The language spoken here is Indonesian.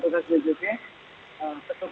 yang siap untuk dibagikan kepada warga